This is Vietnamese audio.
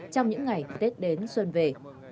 trong những ngày tết đến xuân về